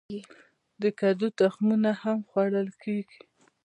د کدو تخمونه هم خوړل کیږي.